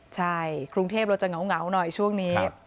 ใช่กรุงเทพเราจะเหงาหน่อยช่วงนี้